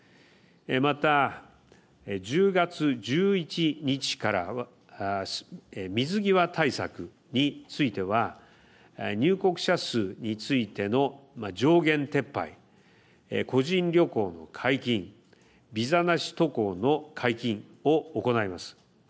また、１０月１１日から水際対策については、入国者数についての上限撤廃、個人旅行の解禁ビザなし渡航の解禁を行います。